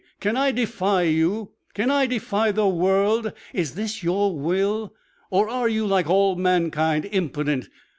Can I defy You? Can I defy Your world? Is this Your will? Or are You, like all mankind, impotent?